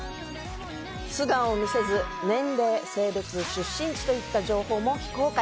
素顔を見せず年齢、性別、出身地といった情報も非公開。